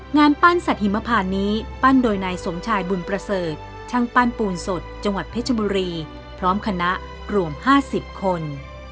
งานปั้นสัตว์หิมพานนี้ปั้นโดยนายสมชายบุญประเสริฐช่างปั้นปูนสดจังหวัดเพชรบุรีพร้อมคณะรวม๕๐คน